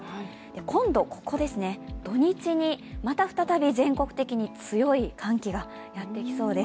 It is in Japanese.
今度、土日にまた再び全国的に強い寒気がやってきそうです。